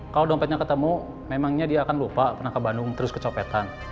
kalau dompetnya ketemu memangnya dia akan lupa pernah ke bandung terus kecopetan